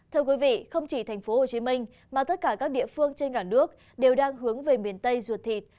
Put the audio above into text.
thưa quý vị không chỉ tp hcm mà tất cả các địa phương trên cả nước đều đang hướng về miền tây ruột thịt